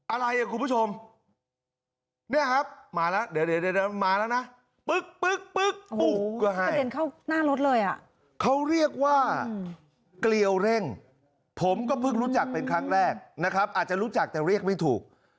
อะไรอ่ะคุณผู้ชมเนี่ยครับมาแล้วเดี๋ยวมาแล้วนะปึ๊กกระเด็นเข้าหน้ารถเลยอ่ะเขาเรียกว่าเกลียวเร่งผมก็เพิ่งรู้จักเป็นครั้งแรกนะครับอาจจะรู้จักแต่เรียกไม่ถูก